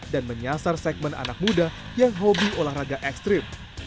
dan menyasar segmen anak muda yang hobi olahraga ekstrim